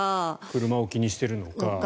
車を気にしているのか。